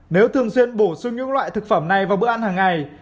nếu thường xuyên bổ sung những loại thực phẩm này vào bữa ăn hàng ngày